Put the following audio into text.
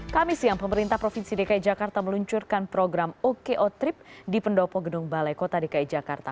kami siang pemerintah provinsi dki jakarta meluncurkan program oko trip di pendopo gedung balai kota dki jakarta